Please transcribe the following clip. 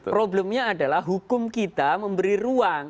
problemnya adalah hukum kita memberi ruang